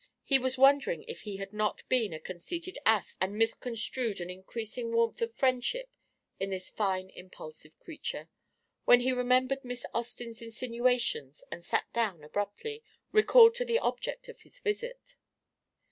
He was wondering if he had not been a conceited ass and misconstrued an increasing warmth of friendship in this fine impulsive creature, when he remembered Miss Austin's insinuations and sat down abruptly, recalled to the object of his visit.